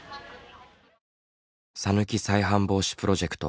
さぬき再犯防止プロジェクト